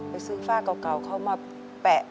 ไปซื้อฝ้าเก่าเข้ามาแปะ